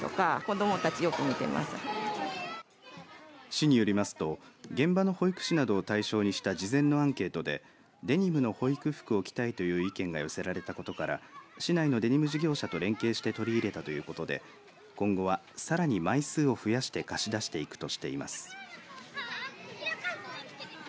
市によりますと現場の保育士などを対象にした事前のアンケートでデニムの保育服を着たいという意見が寄せられたことから市内のデニム事業者と連携して取り入れたということで今後は、さらに枚数を増やして貸し出していくとしています。